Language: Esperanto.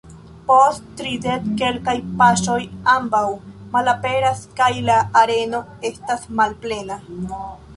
Post tridek-kelkaj paŝoj ambaŭ malaperas kaj la areno estas malplena.